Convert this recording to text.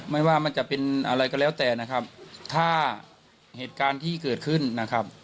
ไม่ว่ามันจะเป็นอะไรก็แล้วแต่นะครับถ้าเหตุการณ์ที่เกิดขึ้นนะครับ